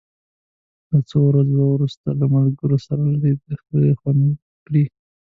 له څو ورځو وروسته له ملګرو سره لیدو ښه خوند وکړ.